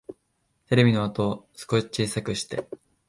テレビの音、少し小さくして